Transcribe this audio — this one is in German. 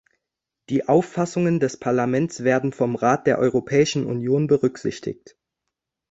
Die Auffassungen des Parlaments werden vom Rat der Europäischen Union berücksichtigt.